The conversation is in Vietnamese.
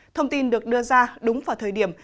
thông tin được đưa ra đúng vào thời điểm